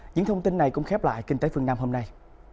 những thông tin này cũng khép lại kinh tế phương nam hôm nay